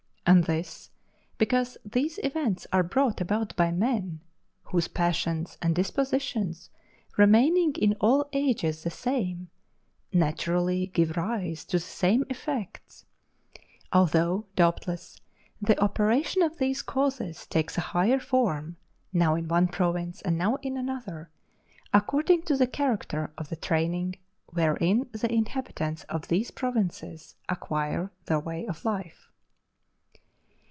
And this, because these events are brought about by men, whose passions and dispositions remaining in all ages the same naturally give rise to the same effects; although, doubtless, the operation of these causes takes a higher form, now in one province, and now in another, according to the character of the training wherein the inhabitants of these provinces acquire their way of life.